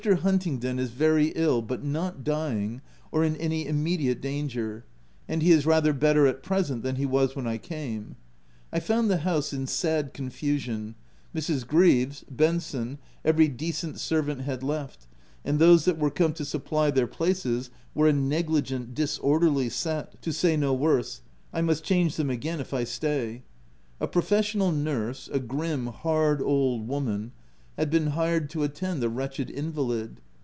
Huntingdon is very ill, but not dying, or in any immediate danger ; and he is rather better at present than he was when I came. I found the house in sad confusion : Mrs. Greaves, Benson, every decent servant had left, and those that were come to supply their places were a negligent, disorderly set, to say no worse k 3 196 THE TENANT — I must change them again if I stay. A pro fessional nurse, a grim, hard old woman, had been hired to attend the wretched invalid.